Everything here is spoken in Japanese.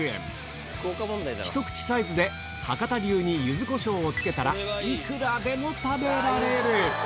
ひと口サイズで博多流にゆずコショウをつけたら、いくらでも食べられる。